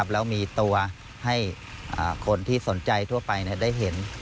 แล้วมีตัวให้คนที่สนใจทั่วไปได้เห็น